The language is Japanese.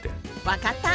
分かった。